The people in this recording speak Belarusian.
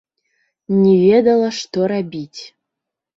Не ведала, што рабіць.